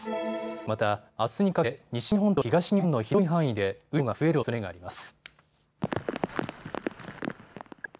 また、あすにかけて西日本と東日本の広い範囲で雨量が増えるおそれがあります。